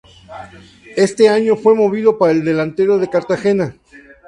Este año fue movido para el delantero de Cartagena.